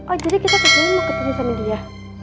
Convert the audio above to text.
oh jadi kita kesini mau ketemu sama dia